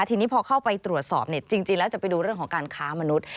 ทีนี้พอเข้าไปตรวจสอบจริงแล้วจะไปดูเรื่องของการค้ามนุษย์